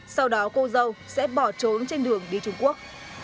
sau đó cô dâu sẽ bỏ trốn trên đường đi trung quốc